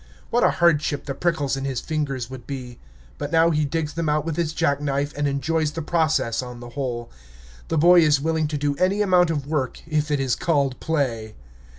What a hardship the prickles in his fingers would be! But now he digs them out with his jack knife, and enjoys the process, on the whole. The boy is willing to do any amount of work if it is called play.